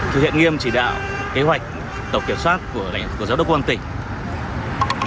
thứ hiện nghiêm chỉ đạo kế hoạch tổ kiểm soát của giáo đốc quân tỉnh